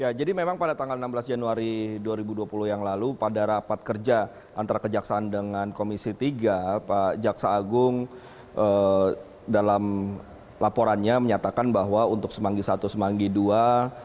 ya jadi memang pada tanggal enam belas januari dua ribu dua puluh yang lalu pada rapat kerja antara kejaksaan dengan komisi tiga pak jaksa agung dalam laporannya menyatakan bahwa untuk semanggi i semanggi ii